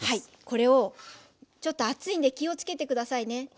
これをちょっと熱いんで気をつけて下さいね。